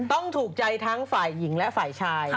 ถูกใจทั้งฝ่ายหญิงและฝ่ายชาย